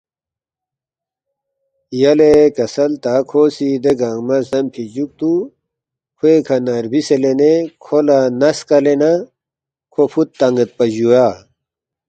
یلے کسل تا کھو سی دے گنگمہ زدمفی جُوکتُو کھوے کھہ نہ ربِسے لینے کھو لہ نا سکلے نہ کھو فُود تان٘یدپا جُویا